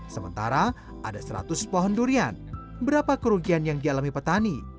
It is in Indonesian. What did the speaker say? sementara ada seratus pohon durian berapa kerugian yang dialami petani